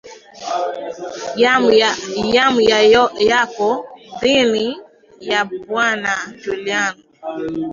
yam ya yako dhiki ya bwana julian